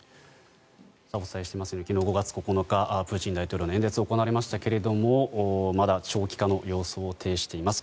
お伝えしていますように昨日、５月９日プーチン大統領の演説が行われましたけれどもまだ長期化の様相を呈しています。